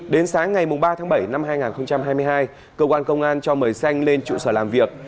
đến sáng ngày ba tháng bảy năm hai nghìn hai mươi hai cơ quan công an cho mời xanh lên trụ sở làm việc